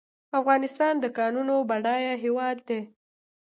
افغانستان د کانونو بډایه هیواد دی